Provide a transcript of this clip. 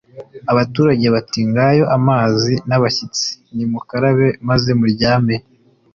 abaturage bati: "Ngayo amazi y'abashyitsi, nimukarabe maze muryame